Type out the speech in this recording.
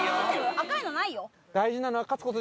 赤いのないよ